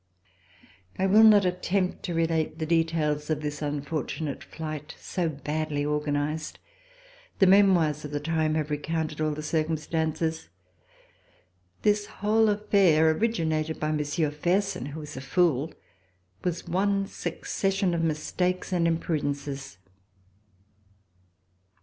I will not attempt to relate the details of this un fortunate flight, so badly organized. The memoirs of the time have recounted all the circumstances. This whole affair, originated by Monsieur Fersen, who was a fool, was one succession of mistakes and imprudences.